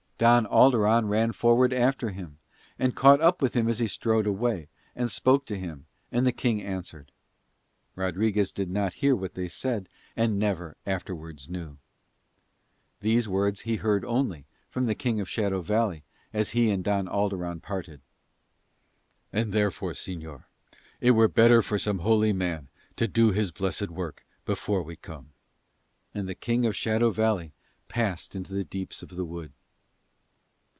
Don Alderon ran forward after him, and caught up with him as he strode away, and spoke to him, and the King answered. Rodriguez did not hear what they said, and never afterwards knew. These words he heard only, from the King of Shadow Valley as he and Don Alderon parted: ".... and therefore, señor, it were better for some holy man to do his blessed work before we come." And the King of Shadow Valley passed into the deeps of the wood.